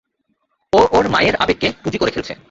ও ওর মায়ের আবেগকে পুঁজি করে খেলছে।